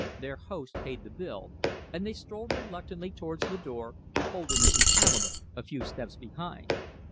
Their host paid the bill, and they strolled reluctantly towards the door, Holderness and Pamela a few steps behind.